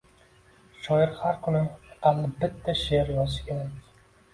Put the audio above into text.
Shoir har kuni aqalli bitta she’r yozishi kerak